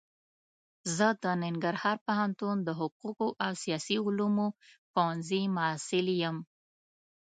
زه د ننګرهار پوهنتون د حقوقو او سیاسي علومو پوهنځي محصل يم.